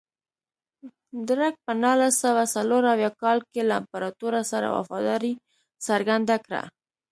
درګ په نولس سوه څلور اویا کال کې له امپراتور سره وفاداري څرګنده کړه.